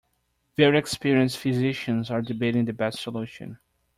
Very experienced physicians are debating the best solution.